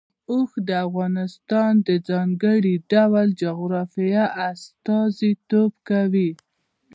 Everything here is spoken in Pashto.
اوښ د افغانستان د ځانګړي ډول جغرافیه استازیتوب کوي.